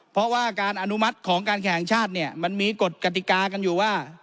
เพราะว่าการอนุมัติของการแข่งชาติเนี่ยมันมีกฎกติกากันอยู่ว่า